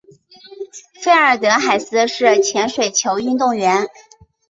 费尔德海斯是前水球运动员。